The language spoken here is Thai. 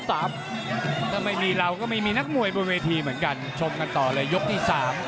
ถ้าไม่มีเราก็ไม่มีนักมวยบนเวทีเหมือนกันชมกันต่อเลยยกที่๓